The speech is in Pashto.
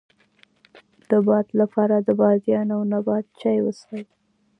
د باد لپاره د بادیان او نبات چای وڅښئ